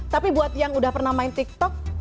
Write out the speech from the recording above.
kalau kalian yang udah pernah main tiktok